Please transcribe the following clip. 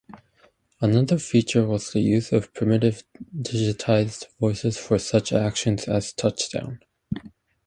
Another feature was the use of primitive digitized voices for such actions as Touchdown!